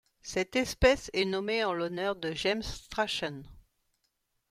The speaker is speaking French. Cette espèce est nommée en l'honneur de James Strachan.